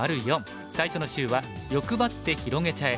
最初の週は「欲ばって広げちゃえ！」。